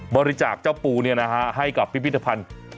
บริจาคเจ้าปูให้กับพิพิธภัณฑ์